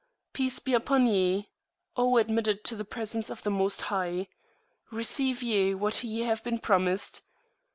Peace be upon Ye, O Admitted to the Presence of the [p.35] Most High! Receive Ye what Ye have been promised!